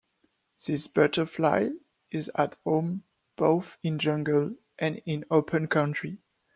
This butterfly is at home both in jungle and in open country.